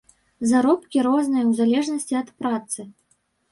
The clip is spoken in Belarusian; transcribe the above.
Заробкі розныя, у залежнасці ад працы.